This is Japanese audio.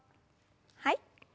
はい。